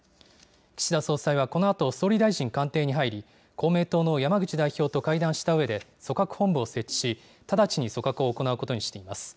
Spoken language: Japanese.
岸田総裁はこのあと総理大臣官邸に入り、公明党の山口代表と会談したうえで、組閣本部を設置し、直ちに組閣を行うことにしています。